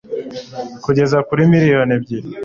kugeza kuri miliyoni ebyiri